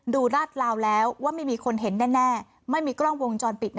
ราดราวแล้วว่าไม่มีคนเห็นแน่ไม่มีกล้องวงจรปิด